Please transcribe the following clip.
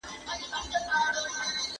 دغه کیسه موږ ټولو ته درس راکوي.